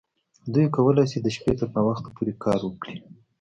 دوی کولی شي د شپې تر ناوخته پورې کار وکړي